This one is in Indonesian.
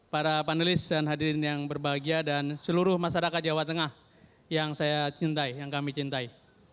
para panelis dan hadirin yang berbahagia dan seluruh masyarakat jawa tengah yang saya cintai yang kami cintai